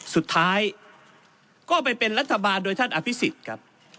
สุดท้ายก็ไปเป็นรัฐบาลโดยท่านอภิษฎครับ